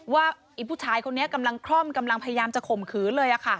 ว่าไอ้ผู้ชายคนนี้กำลังคล่อมกำลังพยายามจะข่มขืนเลย